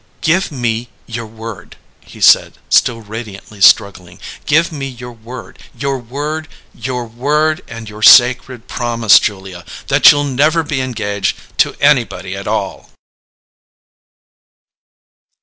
"Give me your word!" he said, still radiantly struggling. "Give me your word your word your word and your sacred promise, Julia that you'll never be engaged to anybody at all!"